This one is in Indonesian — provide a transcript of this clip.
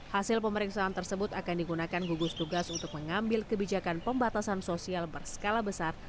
hasil pemeriksaan tersebut akan digunakan gugus tugas untuk mengambil kebijakan pembatasan sosial berskala besar